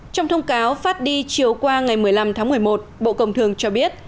trong thông cáo phát đi chiều qua ngày một mươi năm tháng một mươi một bộ công thường cho biết